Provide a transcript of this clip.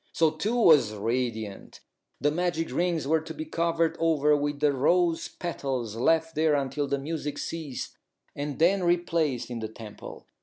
So Two was radiant. The magic rings were to be covered over with the rose petals, left there until the music ceased, and then replaced in the temple.